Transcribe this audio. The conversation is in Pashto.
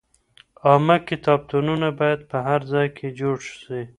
عامه کتابتونونه بايد په هر ځای کي جوړ سي.